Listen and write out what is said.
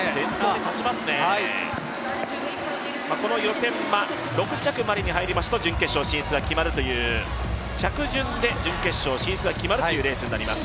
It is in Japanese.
この予選は６着までに入ると準決勝進出が決まるという着順で準決勝進出が決まるというレースになります。